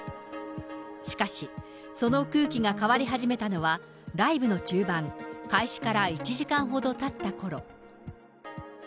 しかし、その空気が変わり始めたのは、ライブの中盤、開始から１時間ほどたったころ。